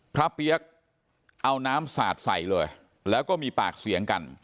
เปี๊ยกเอาน้ำสาดใส่เลยแล้วก็มีปากเสียงกัน